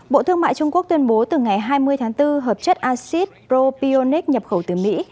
bộ thương mại trung quốc tuyên bố từ ngày hai mươi tháng bốn hợp chất acid propionic nhập khẩu từ mỹ